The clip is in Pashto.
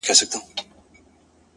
داسي نه كيږي چي اوونـــۍ كې گـــورم ـ